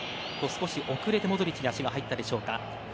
少し遅れてモドリッチに足が入ったでしょうか。